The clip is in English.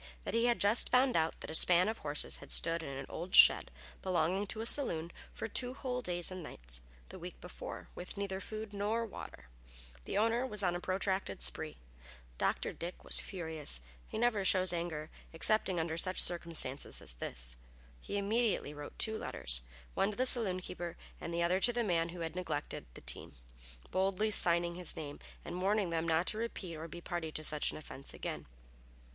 That he had just found out that a span of horses had stood in an old shed, belonging to a saloon, for two whole days and nights, the week before, with neither food nor water. The owner was on a protracted spree. Dr. Dick was furious. He never shows anger excepting under some such circumstance as this. He immediately wrote two letters, one to the saloon keeper and the other to the man who had neglected the team, boldly signing his name and warning them not to repeat or be party to such an offence again.